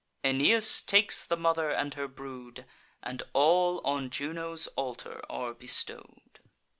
Aeneas takes the mother and her brood, And all on Juno's altar are bestow'd.